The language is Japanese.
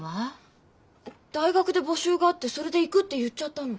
大学で募集があってそれで行くって言っちゃったの。